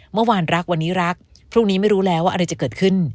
เมื่อวานรักวันนี้รักพรุ่งนี้ไม่รู้แล้วว่าอะไรจะเกิดขึ้น